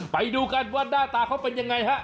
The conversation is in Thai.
ไปดูกันว่าหน้าตาเขาเป็นยังไงฮะ